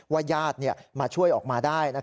ญาติมาช่วยออกมาได้